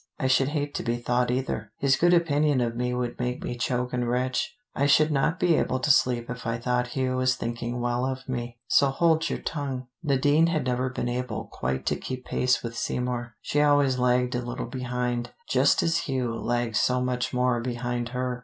I should hate to be thought either. His good opinion of me would make me choke and retch. I should not be able to sleep if I thought Hugh was thinking well of me. So hold your tongue." Nadine had never been able quite to keep pace with Seymour: she always lagged a little behind, just as Hugh lagged so much more behind her.